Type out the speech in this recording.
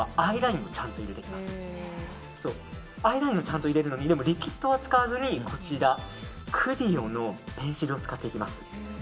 アイラインをちゃんと入れるのにでも、リキッドは使わずにＣＬＩＯのペンシルを使います。